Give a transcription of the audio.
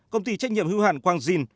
công ty trách nhiệm hiếu hạn quang dinh